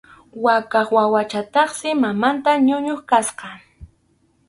Waqaq wawachataqsi mamanta ñuñuchkasqa.